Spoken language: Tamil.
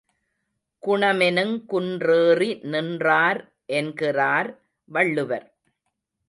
குணமென்னுங் குன்றேறி நின்றார் என்கிறார் வள்ளுவர்.